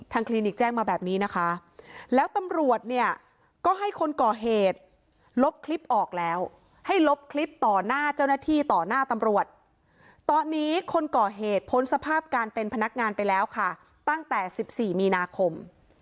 คลินิกแจ้งมาแบบนี้นะคะแล้วตำรวจเนี่ยก็ให้คนก่อเหตุลบคลิปออกแล้วให้ลบคลิปต่อหน้าเจ้าหน้าที่ต่อหน้าตำรวจตอนนี้คนก่อเหตุพ้นสภาพการเป็นพนักงานไปแล้วค่ะตั้งแต่๑๔มีนาคม